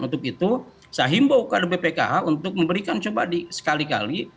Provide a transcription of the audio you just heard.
untuk itu saya himbau kepada bpkh untuk memberikan coba sekali kali